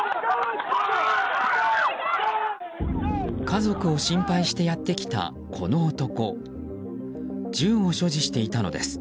家族を心配してやってきたこの男銃を所持していたのです。